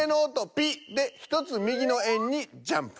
「ピッ」で１つ右の円にジャンプ。